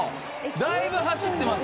だいぶ走ってます。